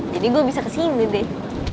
jadi gue bisa kesini deh